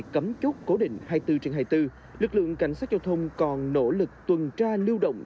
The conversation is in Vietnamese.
cấm chốt cố định hai mươi bốn trên hai mươi bốn lực lượng cảnh sát giao thông còn nỗ lực tuần tra lưu động